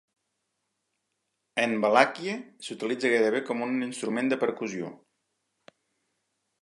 En Valàquia s'utilitza gairebé com un instrument de percussió.